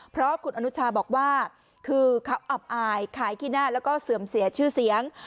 เพราะคุณอนุชาบอกว่าคือเขาอับอายขายขี้หน้าแล้วก็เสื่อมเสียชื่อเสียง